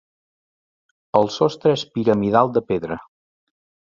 El sostre és piramidal de pedra.